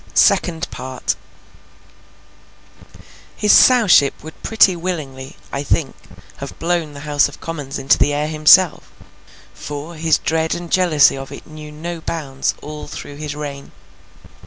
SECOND PART His Sowship would pretty willingly, I think, have blown the House of Commons into the air himself; for, his dread and jealousy of it knew no bounds all through his reign.